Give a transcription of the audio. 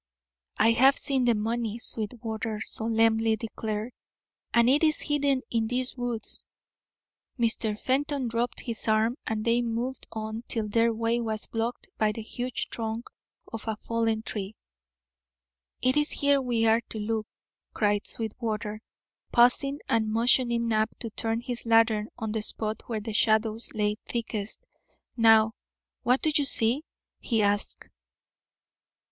"I have seen the money," Sweetwater solemnly declared, "and it is hidden in these woods." Mr. Fenton dropped his arm, and they moved on till their way was blocked by the huge trunk of a fallen tree. "It is here we are to look," cried Sweetwater, pausing and motioning Knapp to turn his lantern on the spot where the shadows lay thickest. "Now, what do you see?" he asked.